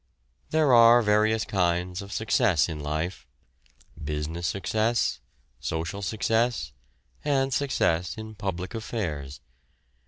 There are various kinds of success in life: business success, social success, and success in public affairs.